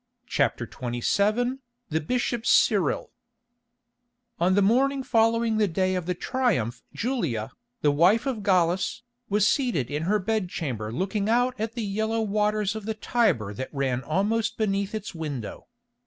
CHAPTER XXVII THE BISHOP CYRIL On the morning following the day of the Triumph Julia, the wife of Gallus, was seated in her bed chamber looking out at the yellow waters of the Tiber that ran almost beneath its window.